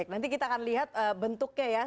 nanti kita akan lihat bentuknya ya